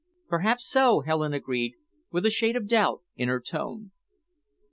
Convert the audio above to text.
"Perhaps so," Helen agreed, with a shade of doubt in her tone.